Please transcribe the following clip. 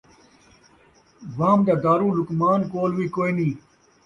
وہم دا دارو لقمان کول وی کوئینی